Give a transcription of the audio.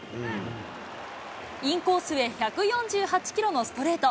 インコースへ１４８キロのストレート。